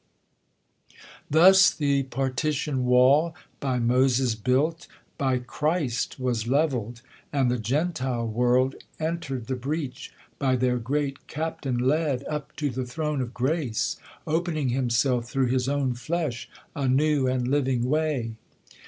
Thus the partition wall, by Moses built, By Christ was levell'd, and the Gentile world Enter'd the breach, by their great Captain led Up to the throne of grace, opening himself Through his own flesh a new and living way.